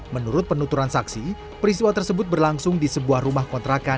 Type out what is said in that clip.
menurut penuturan saksi peristiwa tersebut berlangsung di sebuah rumah kontrakan